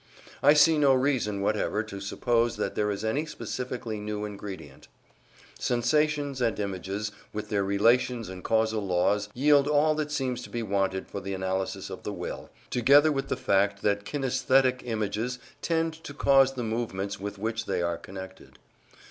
I see no reason whatever to suppose that there is any specifically new ingredient; sensations and images, with their relations and causal laws, yield all that seems to be wanted for the analysis of the will, together with the fact that kinaesthetic images tend to cause the movements with which they are connected.